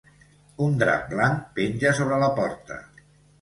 Un drap blanc penja sobre la porta.